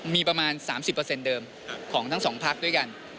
มีประมาณ๓๐เดิมของทั้งสองพักด้วยกัน